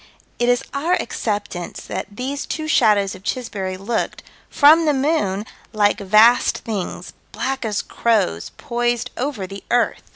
It is our acceptance that these two shadows of Chisbury looked, from the moon, like vast things, black as crows, poised over the earth.